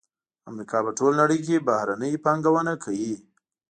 امریکا په ټوله نړۍ کې بهرنۍ پانګونه کوي